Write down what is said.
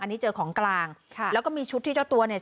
อันนี้เจอของกลางค่ะแล้วก็มีชุดที่เจ้าตัวเนี่ย